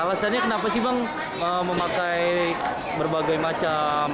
alasannya kenapa sih bang memakai berbagai macam